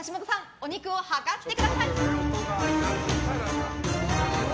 お肉を量ってください。